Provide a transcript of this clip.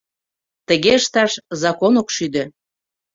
Тыге ышташ закон ок шӱдӧ.